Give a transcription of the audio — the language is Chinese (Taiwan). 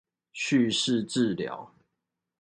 敘事治療